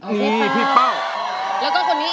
อีพี่เป้า